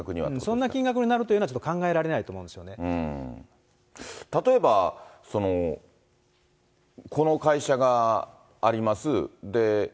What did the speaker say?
そんな金額になるというのは、ちょっと考えられないと思うんで例えばこの会社があります。